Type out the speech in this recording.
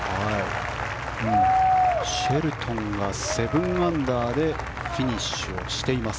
シェルトンが７アンダーでフィニッシュしています。